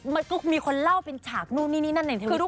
มันก็มีคนเล่าเป็นฉากนู่นนี่นั่นในเทวิตเตอร์ไง